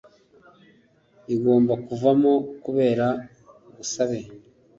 igomba kuvamo kubera ubusabe